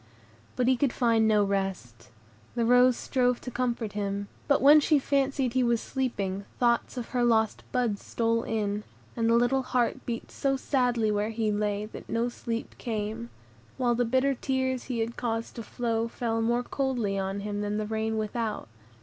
But he could find no rest. The rose strove to comfort him; but when she fancied he was sleeping, thoughts of her lost bud stole in, and the little heart beat so sadly where he lay, that no sleep came; while the bitter tears he had caused to flow fell more coldly on him than the rain without.